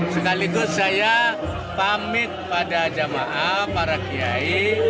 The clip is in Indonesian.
sekaligus saya pamit pada jamaah para kiai